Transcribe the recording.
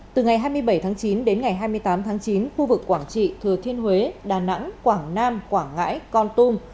từ ngày hai mươi bảy tháng chín đến ngày hai mươi tám tháng chín khu vực quảng trị thừa thiên huế đà nẵng quảng nam quảng ngãi con tum